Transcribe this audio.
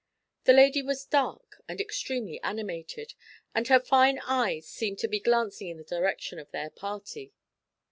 The lady was dark and extremely animated, and her fine eyes seemed to be glancing in the direction of their party.